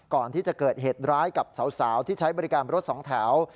ก่อนที่จะเกิดเหตุร้ายกับสาวที่ใช้บริการรถสองแถว